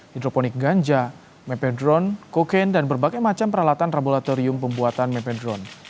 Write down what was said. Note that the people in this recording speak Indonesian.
hidroponik ganja mepetron kokain dan berbagai macam peralatan laboratorium pembuatan mepedron